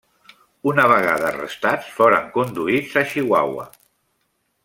Una vegada arrestats foren conduïts a Chihuahua.